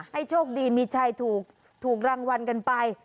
โชคดีมีชายถูกรางวัลกันไป